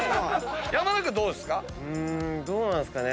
山田君どうですか？